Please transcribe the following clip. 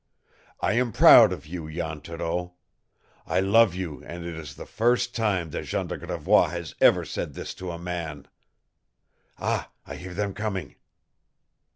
I am proud of you, Jan Thoreau. I love you, and it is the first time that Jean de Gravois has ever said this to a man. Ah, I hear them coming!"